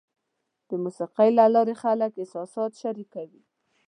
د موسیقۍ له لارې خلک احساسات شریکوي.